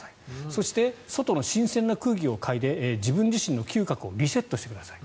そして外の新鮮なにおいをかいで自分自身の嗅覚をリセットしてください。